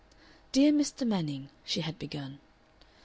"DEAR MR. MANNING," she had begun.